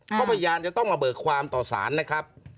เพราะพยานจะต้องมาเบิกความต่อสารนะครับ